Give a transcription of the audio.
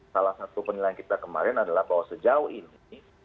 salah satu penilaian kita kemarin adalah bahwa sejauh ini